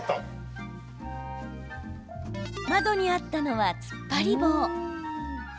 窓にあったのは、突っ張り棒。